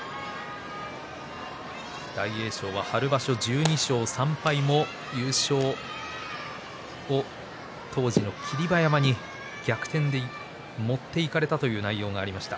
大栄翔は春場所１２勝３敗優勝を当時の霧馬山に逆転で持っていかれたという内容がありました。